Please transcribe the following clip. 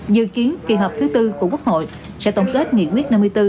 dự kiến kỳ họp thứ tư của quốc hội sẽ tổng kết nghị quyết năm mươi bốn